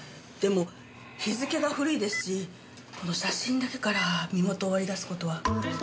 でも日付が古いですしこの写真だけから身元を割り出す事は。